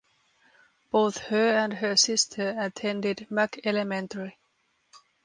Both her and her sister attended Mack Elementary.